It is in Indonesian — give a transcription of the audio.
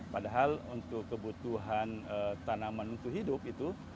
padahal untuk kebutuhan tanaman untuk hidup itu